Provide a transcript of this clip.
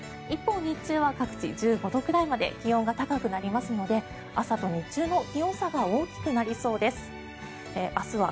一方、日中は各地１５度くらいまで気温が高くなりますので朝と日中の気温差が大きくなりそうです。